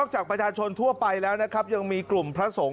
จำกัดการลงทะเบียนที่๕๐๐คิวต่อวัน